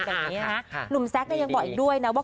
แบบนี้นะหนุ่มแซคยังบอกอีกด้วยนะว่า